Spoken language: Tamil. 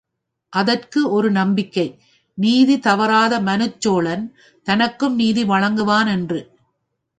அதற்கு ஒரு நம்பிக்கை, நீதி தவறாத மனுச்சோழன் தனக்கும் நீதி வழங்குவான் என்று.